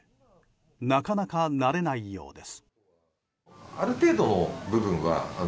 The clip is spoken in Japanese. なかなか慣れないようです。